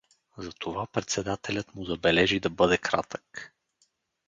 Затова председателят му забележи да бъде кратък.